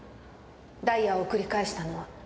ダイヤを送り返したのは。